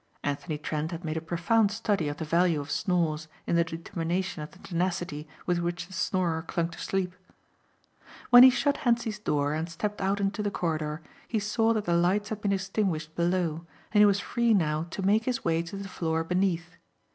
Anthony Trent had made a profound study of the value of snores in the determination of the tenacity with which the snorer clung to sleep. When he shut Hentzi's door and stepped out into the corridor he saw that the lights had been extinguished below and he was free now to make his way to the floor beneath.